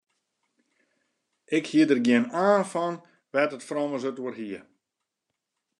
Ik hie der gjin aan fan wêr't it frommes it oer hie.